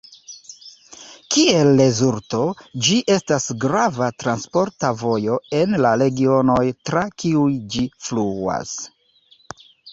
Kiel rezulto, ĝi estas grava transporta vojo en la regionoj tra kiuj ĝi fluas.